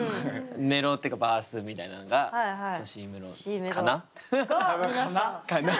メロっていうかバースみたいなのがＣメロかな？かな？